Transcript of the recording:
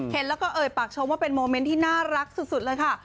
เห็นแล้วก็เอ่ยปากชมว่าเป็นโมเมนต์ที่น่ารักสุดเลยค่ะ